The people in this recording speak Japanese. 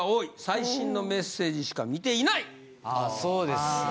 そうですね。